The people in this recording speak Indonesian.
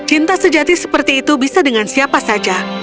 cinta sejati seperti itu bisa dengan siapa saja